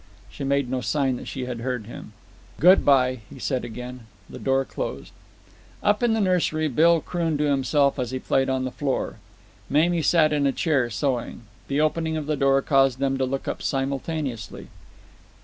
She made no sign that she had heard him. "Good bye," he said again. The door closed. Up in the nursery Bill crooned to himself as he played on the floor. Mamie sat in a chair, sewing. The opening of the door caused them to look up simultaneously.